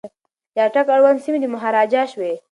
د اټک اړوند سیمي د مهاراجا شوې.